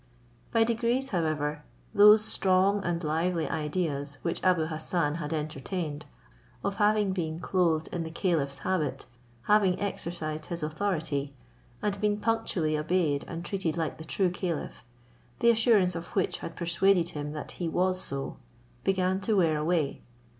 By degrees, however, those strong and lively ideas, which Abou Hassan had entertained, of having been clothed in the caliph's habit, having exercised his authority, and been punctually obeyed and treated like the true caliph, the assurance of which had persuaded him that he was so, began to wear away.